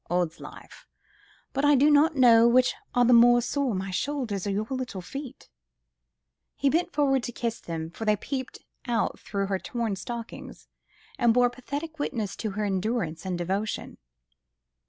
"Odd's life! but I do not know which are the more sore, my shoulders or your little feet." He bent forward to kiss them, for they peeped out through her torn stockings, and bore pathetic witness to her endurance and devotion.